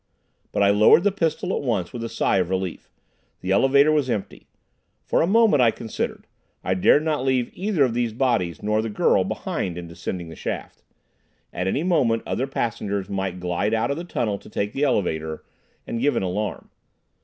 But I lowered the pistol at once, with a sigh of relief. The elevator was empty. For a moment I considered. I dared not leave either of these bodies nor the girl behind in descending the shaft. At any moment other passengers might glide out of the tunnel to take the elevator, and give an alarm.